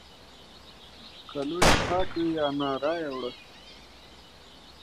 که لوښي پاک وي یا نه رایې وړه!